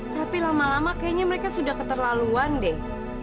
tapi lama lama kayaknya mereka sudah keterlaluan deh